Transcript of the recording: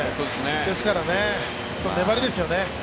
ですからね、粘りですよね。